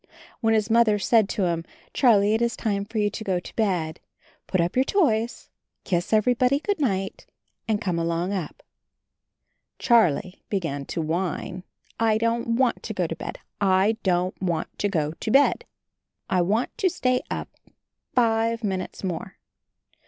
When his Mother said to him, ''Charlie, it is time for you to go to bed. Put up your toys, kiss everybody good night, and come along up''; Charlie began to whine, "I don't want to go to bed, I don't want to go to bed. I want to stay up five minutes more."